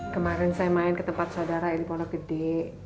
kemarin saya main ke tempat saudara ini pola gede